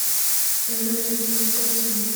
Le mâle et la femelle se ressemblent.